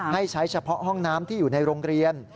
ให้ใช้เฉพาะห้องน้ำที่อยู่ในโรงเรียน